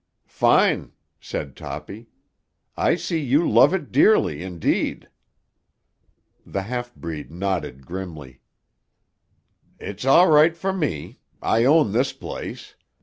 "Fine," said Toppy. "I see you love it dearly, indeed." The half breed nodded grimly. "It's all right for me; I own this place.